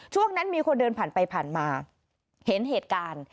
ช่วงนั้นมีคนเดินผ่านไปผ่านมาเห็นเหตุการณ์